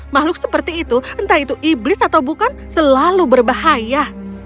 makhluk seperti itu entah itu iblis atau bukan selalu berbahaya